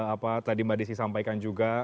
apa tadi mbak desi sampaikan juga